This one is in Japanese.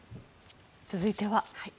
続いては。